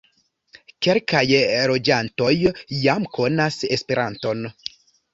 Kelkaj loĝantoj jam konas Esperanton.